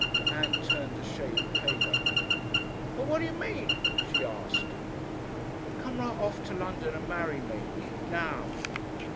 Ann turned a shade paler. "But what d'you mean?" she asked. "Come right off to London and marry me. Now."